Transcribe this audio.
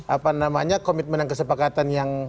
apa namanya komitmen dan kesepakatan yang